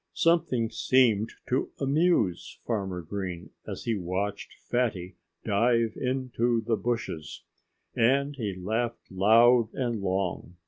Something seemed to amuse Farmer Green, as he watched Fatty dive into the bushes; and he laughed loud and long.